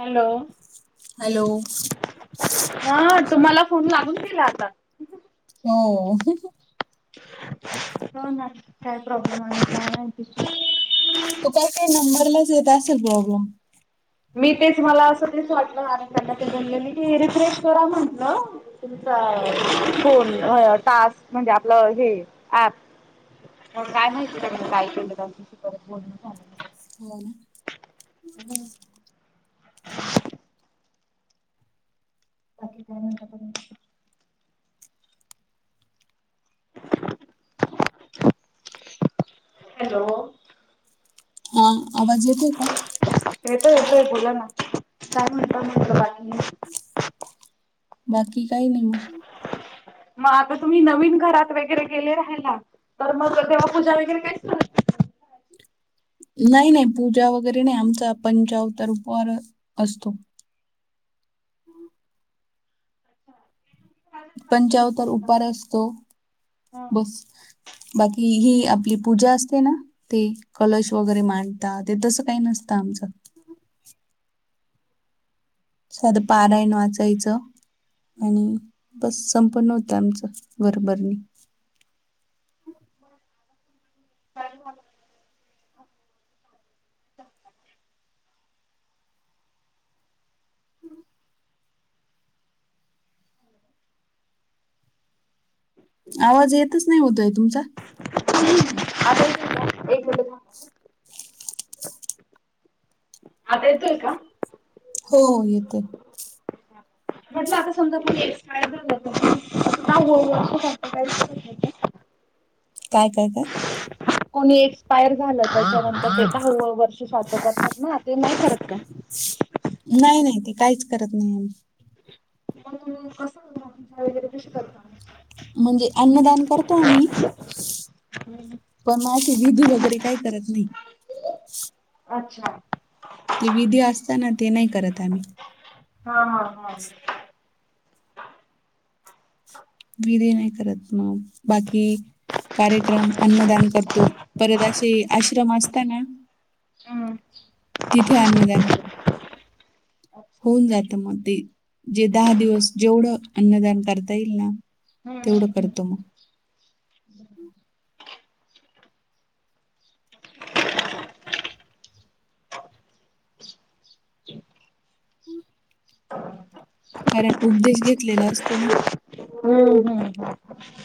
Hello. Hello. हा तुम्हाला phone लागून केला आता. हो. हो ना काय प्रॉब्लेम का नाही. त काय काही नंबरलाच येत असेल बबा. मी तेच मला असं तेच वाटलं आणि त्यांना ते बनले की रिफ्रेश करा म्हंटलं. तुमचा फोन टास्क म्हणजे आपलं हे ऍप काय माहिती त्या काय केलंशी परत बोल. हो ना. हम्. बाकी का? हॅलो. हा आवाज येते का? येतो येतोय बोला ना काय म्हनटं नाही बाकी बाकी काही नाही मग ह. मग आता तुम्ही नवीन घरात वेगड़े गेले राहिला तर मग तेव्हा पूजा वगैरे काहीच करत नाही नाही पूजा वगैरे नाही आमचा पंचावतारपार असतो. अच्छा. पंचावतार उपार असतो. हा. बस. बाकी ही आपली पूजा असते ना. ते कलश वगैरे मांडता ते तसं काही नसतं आमचं. साधं परायण वाचायचं. आणि बस संपन्न होतं आमचं बरोबरनी. हम ह. आवाज येतच नाही होतोय तुमचा? आ. एक मिनट आता येतोय का? हो येतोय. म्हटलं आता समजा आपण एक्सय ज काळळ अस. काय करतय? कोणी एक्सपायर झालं त्याच्यानंतर ते का हळळ वर्ष सात करातणार. नाही नाही ते काहीच करत नाही आम्ही मण कसं होत वगैरे कशी करत. म्हणजे अन्नदान करतो आम्ही हम्. पण की विधी वगैरे काही करत नाही. अच्छा. ते विधी असताना ते नाही करत आम्ही हा हा हा. वीर नाही करत म बाकी कार्यक्रम अन्नदान करतो परत असे आश्रम असताना. हम्. तिथे आण जाण्यासाठी होऊन जातं मग ते जे दहा दिवस जेवढं अन्नदान करता येईल ना. हम्म हम्म तेवढं हम्म करतो मग कारण उपदेश घेतलेला असतो ना हम्म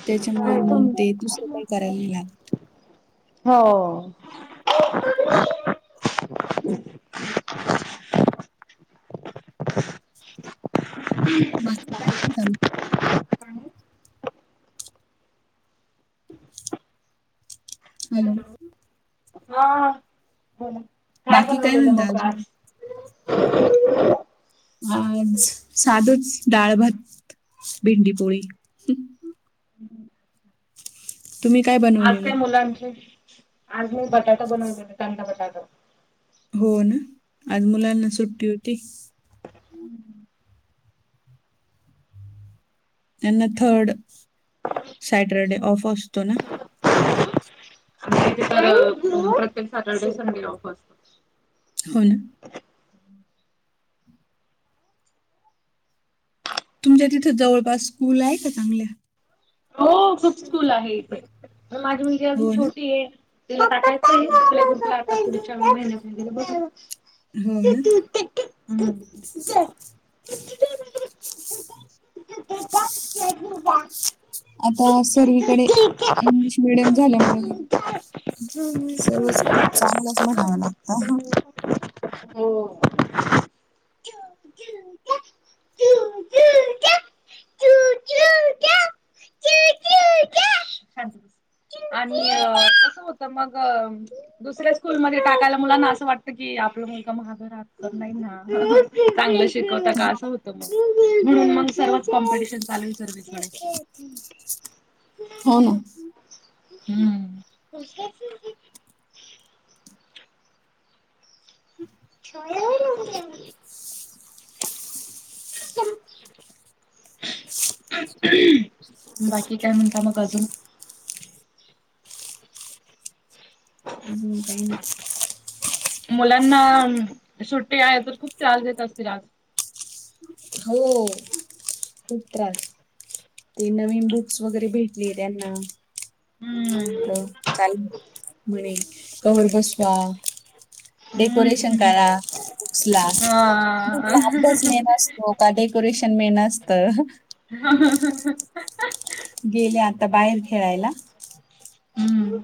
त्याच्यामुळे मग हम् ते दुसरं काही त करायला नाही हो माग काय हॅलो हा बोला काय बाकी काय बनवलेलं म्हणता मग अजून खास आज साधूच डाळ भात भिंडीपोळी तुम्ही काय आज काय बनवलेलं मुलांची आज मी बटाटा बनवलेते कांदा बटाटा हो ना आज मुलांना सुट्टी होती त्यांना थर्ड सॅटरडे ऑफ असतो ना आमच्या प्रत्येक सॅटर्डे संडे ऑफ असतो हो ना तुमच्या तिथं जवळपास स्कूल आहे का चांगल्या हो खूप स्कूल आहे इथे माझी मुलगी अगदी हो ना छोटी आहे पुढच्या महिन्यात बघू हो ना हम ते आहे [inaudible] [inaudible] आता सर्वीकडे इंग्लिश मडियम झाल्यामुळे सर्वच चांगलाच म्हणावा लागत हम् छस आणि कस होत मग दुसऱ्या स्कूलमध्ये टाकायला मुलांना असं वाटतं की आपलं मुलगं महाग चांगले शिकवतात का मग कॉम्पिटिशन चालवी सर्विस हो ना हम्म छो ह बाकी काय म्हणता मग अजून ह कानी मुलांना सुट्टी आहे तर खूप त्रास देत असतील आज हो खूप त्रास ते नवीन बुक्स वगैरे भेटले त्यांना हम्म तर चाले म्हणे कवर बसवा डेकोरेशन हम्म करा बुक्स लाू हा लाभस मेन हो का डेकोरेशन मे नसत ह गेले आता बाहेर खेळायला हम्म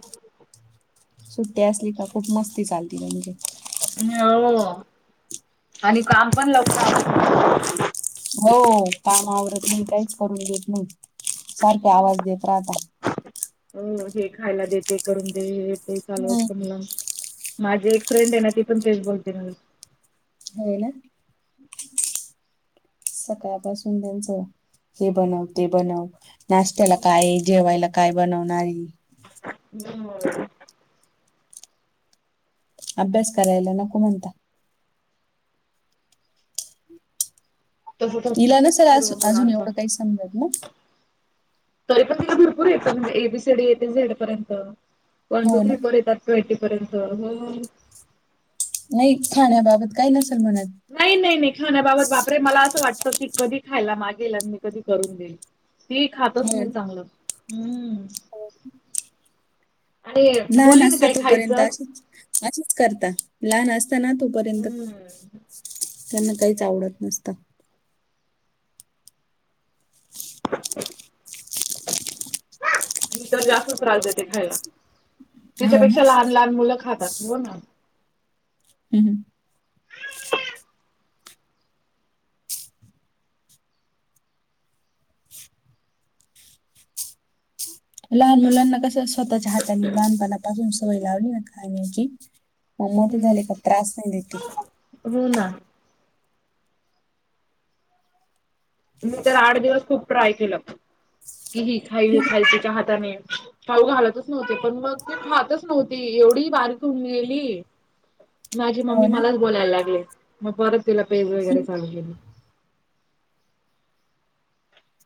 सुट्टी असली का खूप मस्ती चालती का म्हणजे हो आणि काम पण लावत हो काम आवरत नाहीी काहीच करून घेत नाही सारखे आवाज देत राहता अ हे खायला देते करून दे येते चालू असतं मला माझी एक फ्रेंड आहे ना ती पण तेच बोलते होय ना सकाळपासून त्यांचं हे बनव ते बनव नाशत्याला काय जेवायला काय बनवणारी हम्. अभ्यास करायला नको म्हणता. तसंच असतं हिला नसेल सर्व अजून मुलांचं एवढं काही समजत ना. तरी पण भरपूर येतात म्हणजे ए, बी, सी, डी येते झेड पर्यंत वन, टू, हो ना थ्री पण येतात. थर्टीपर्यंत हो. नाही खाण्याबाबत काही नसेल म्हनात. नाही नाही नाही खाण्याबाबत बापरे मला असं वाटतं की कधी खायला मागेल आणि मी कधी करून देईल. ते खातच हो नाही चांगलं हम्म. आणि ना बोलली नाई काही [unintelligible] तोपर्यन्त खायचं अशीच असंच करता लहान असताना तोपर्यंत हम्म त्यांना काहीच आवडत नसतं. मी तर जास्त त्रास देते खायला हो ना तिच्यापेक्षा लहान लहान मुलं खातात ब ना. हम् हम. लहान मु लहंना कस स्वतःच्या हाताने लहानपणापासून सवय लावली ना खाण्याची मग मत हम्म झाले का त्रास नाही देते. हो ना. मी तर आठ दिवस खूप ट्राय केलं की ही खाई खाय तिच्या हाताने खाऊ घालतच नव्हते. पण मग ते खातच नव्हती. एवढी बारीक होऊन गेली. माझी हो मम्मी ना मलाच बोलायला लागले. मग परत तिला पेज वगैरे चालू केली.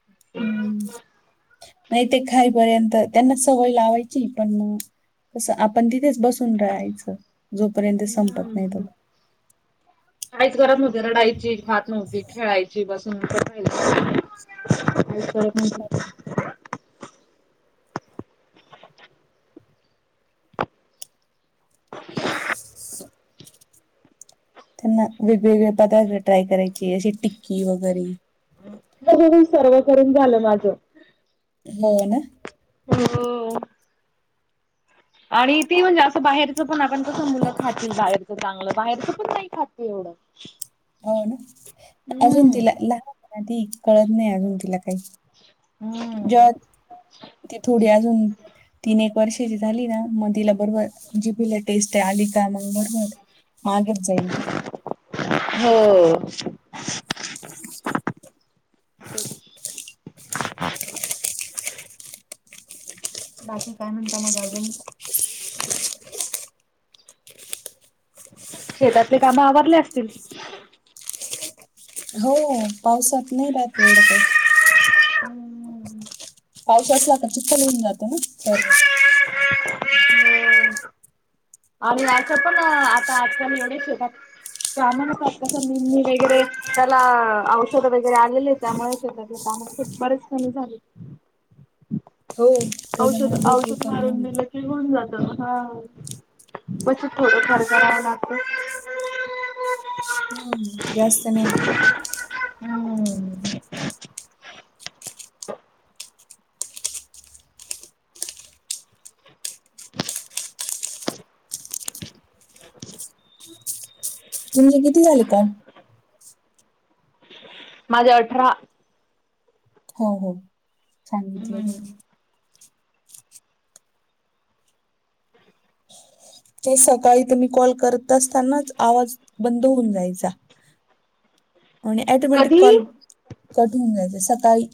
अ हम्म. [unintelligible] नाही ते खाईपर्यंत त्यांना सवय लावायची पण मग. कसं आपण तिथेच बसून राहायचं. जोपर्यंत संपत नाही हम्म. तोपर्यंत काहीच गरम रडायची, खात नव्हती, खेळायची बस. नन्तर खायची, काहीच करत नव्हती. [inaudible] त्यांना वेगवेगळे पदार्थ ट्राय करायचे. जशी टिक्की वगैरे हो. हो. सर्व करून झालं माझं. हो ना. हो. आणि तेी म्हणजे असं बाहेरचं पण आपण कसं मुलं खातील बाहेरचं चांगलं बाहेरचं पण नाही खात एवढं. [inaudible] हो ना, अजून हम्म तिला लहान पण ये ती कळत नाही अजून तिला काही. हम्म. जेव्हा ती थोडी अजून तीन एक वर्षाची झाली ना, मग तिला बरोबर जीपीला टेस्ट आहे आली का? मग बरोबर मागत जाईल ती. हो. बाकी काय म्हणता मग अजून? शेतातचे काम आवरारले असतील? हो पावसात नाही राहात एवढं काही. पाऊस असला का चिखल होऊन जात ना सर्व. आणि असं पण आता आजकाल एवढ शेतात त्यामुळे कसं निंदणी वगैरे त्याला औषध वगैरे आलेले त्यामुळेच होत. कामच तर खूप बरेच कमी झाले. हो औषध. त्याच्यामुळे भरपूर औषध कमी मारून होईल दिलं की होऊन जात हा. बचत थोडंफार करावं लागतय. हम्म जास्त नाही ना. हम्म तुमचे किती झाले पण? माझे अठरा. हो. हो. सांगितलं हम्म तस. ते सकाळी तर मी कॉल करत असतानाच आवाज बंद होऊन जायचा. आणि ऍटोमॅटिक कधी कॉल कट होऊन जायच सकाळी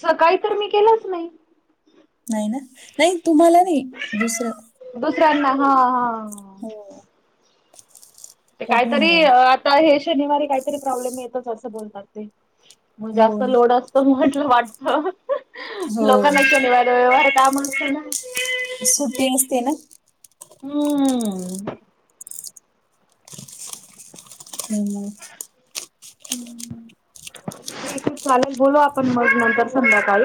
सकाळी तर मी केलंच नाही. नाही ना नाही तुम्हाला नाही. दुसरं. दुसऱ्यांना हा. हा. हो. ते कट होऊन काहीतरी जाईल आता हे शनिवारी काहीतरी प्रॉब्लेम येतच असं बोलतात ते मग हो जास्त ना लोड असत म्हटलं वाटत. हहह हो लोकांना शनिवार रविवार काम असतात ना सुट्टी असते ना हम्म. हम्म. हम्म ठीक आहे, चालेल, बोलू आपण मग नंतर संध्याकाळी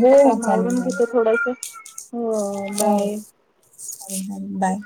हो हो काम चालेल आवरून चालेल घेते थोडस हो हो, चालेल. बाय चालेल. बाय.